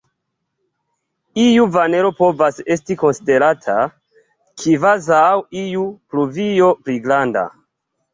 Iu vanelo povas esti konsiderata kvazaŭ iu pluvio pli granda.